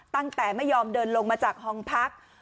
ตั้งแต่ไม่ยอมเดินลงมาจากห้องพัก